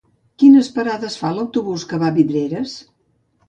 Quines parades fa l'autobús que va a Vidreres?